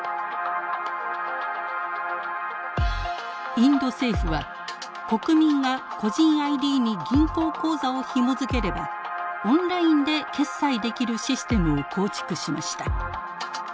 インド政府は国民が個人ＩＤに銀行口座をひも付ければオンラインで決済できるシステムを構築しました。